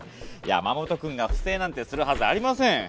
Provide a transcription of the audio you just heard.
山本君がふ正なんてするはずありません。